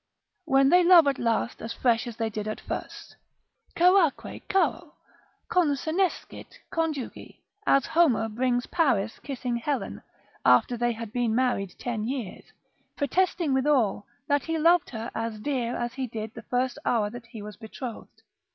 When they love at last as fresh as they did at first, Charaque charo consenescit conjugi, as Homer brings Paris kissing Helen, after they had been married ten years, protesting withal that he loved her as dear as he did the first hour that he was betrothed.